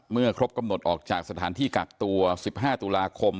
ครบกำหนดออกจากสถานที่กักตัว๑๕ตุลาคม